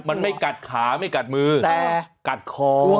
มันไม่กัดขาไม่กัดมือแต่กัดคอ